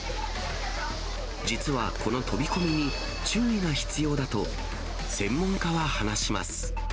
実はこの飛び込み、注意が必要だと専門家は話します。